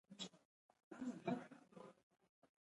د ریګ دښتې د افغانانو د تفریح یوه وسیله ده.